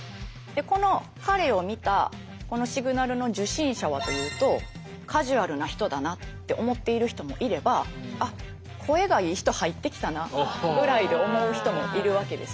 でこの彼を見たこのシグナルの受信者はというとカジュアルな人だなって思っている人もいればあっ声がいい人入ってきたなぐらいで思う人もいるわけですよね。